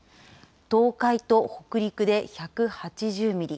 東海と北陸で１８０ミリ。